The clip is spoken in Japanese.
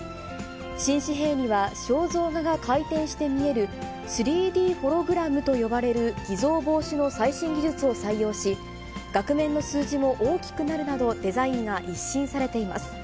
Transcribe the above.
新紙幣には、肖像画が回転して見える、３Ｄホログラムと呼ばれる偽造防止の最新技術を採用し、額面の数字も大きくなるなど、デザインが一新されています。